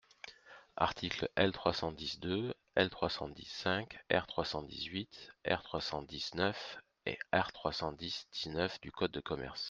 Articles L. trois cent dix deux, L. trois cent dix cinq, R. trois cent dix huit, R. trois cent dix neuf et R trois cent dix dix-neuf du code de commerce.